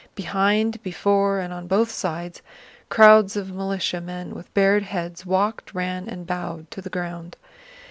Behind, before, and on both sides, crowds of militiamen with bared heads walked, ran, and bowed to the ground.